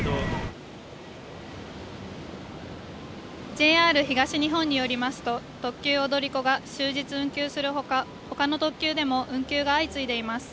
ＪＲ東日本によりますと特急踊り子が終日運休するほかほかの特急でも運休が相次いでいます